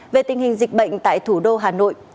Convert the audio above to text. về tình hình dịch bệnh tại thủ đô hà nội